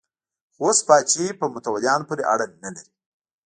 خو اوس پاچاهي په متولیانو پورې اړه نه لري.